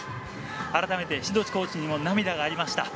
改めて、コーチにも涙がありました。